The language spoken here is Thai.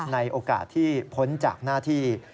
ในโอกาสที่พ้นจากหน้าที่